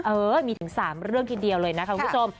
เออมีถึง๓เรื่องทีเดียวเลยนะคะคุณผู้ชม